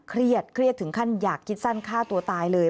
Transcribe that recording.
เครียดถึงขั้นอยากกินสั้นฆ่าตัวตายเลย